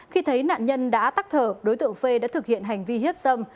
khi thấy nạn nhân đã tắc thở đối tượng phê đã thực hiện hành vi hiếp dâm